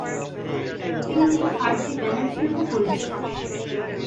তিনি R. D. Banerjee নামে পরিচিত।